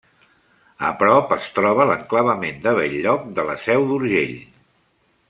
A prop es troba l'enclavament de Bell-lloc de la Seu d'Urgell.